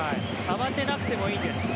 慌てなくてもいいです。